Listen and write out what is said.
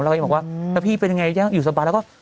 แล้วก็บอกว่าแล้วพี่เป็นยังไงอยู่สบายแล้วก็